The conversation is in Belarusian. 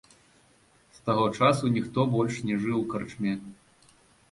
З таго часу ніхто больш не жыў у карчме.